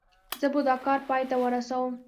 زه به دا کار پای ته ورسوم.